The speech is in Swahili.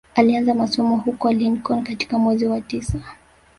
Alianza masomo huko Lincoln katika mwezi wa tisa